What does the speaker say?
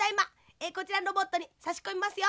えこちらのロボットにさしこみますよ。